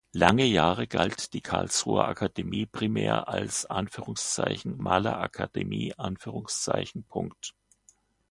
Lange Jahre galt die Karlsruher Akademie primär als „Malerakademie“.